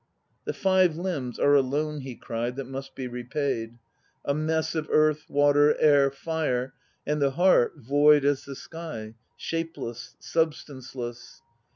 'The Five Limbs are a loan," he cried, "that must be repaid; A mess of earth, water, air, fire. And the heart void, as the sky; shapeless, substanceless